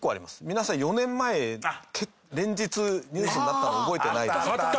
皆さん４年前連日ニュースになったの覚えてないですか？